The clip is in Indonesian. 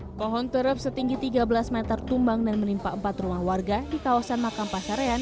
hai pohon terap setinggi tiga belas m tumbang dan menimpa empat rumah warga di kawasan makam pasarian